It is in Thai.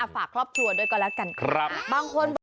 ฝากครอบครัวด้วยก็แล้วกันค่ะ